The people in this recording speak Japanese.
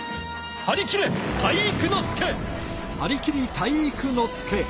はりきれ体育ノ介！